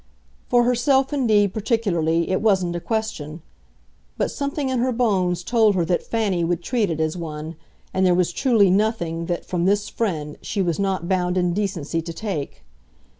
For herself indeed, particularly, it wasn't a question; but something in her bones told her that Fanny would treat it as one, and there was truly nothing that, from this friend, she was not bound in decency to take.